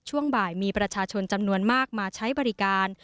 ช่วงบ่ายมีประชาชนจำนวนมากมาใช้บริการ